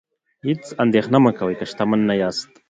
هیڅ اندیښنه مه کوئ که شتمن نه یاست.